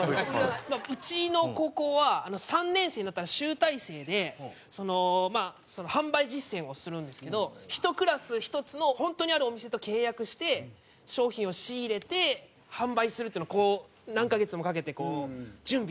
うちの高校は３年生になったら集大成でまあ販売実践をするんですけど１クラス１つの本当にあるお店と契約して商品を仕入れて販売するっていうのを何カ月もかけて準備するんですけど。